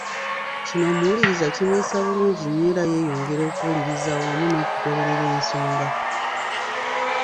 Kino omuwuliriza kimuyisa bulungi nnyo era yeeyongera okuwuliriza wamu n'okugoberera ensonga.